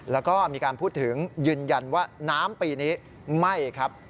แล้วก็มีการพูดถึงยืนยันว่าน้ำปีนี้ไหม้ครับ